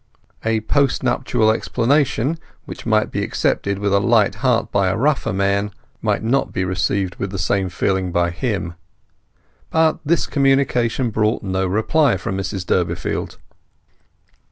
A post nuptial explanation, which might be accepted with a light heart by a rougher man, might not be received with the same feeling by him. But this communication brought no reply from Mrs Durbeyfield.